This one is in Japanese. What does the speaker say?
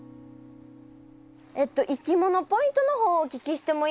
えっといきものポイントの方をお聞きしてもいいですか？